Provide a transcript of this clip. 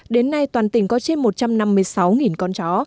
đến nay toàn tỉnh có trên một trăm năm mươi sáu con chó